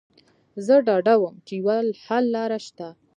زه ډاډه وم چې يوه حللاره شته.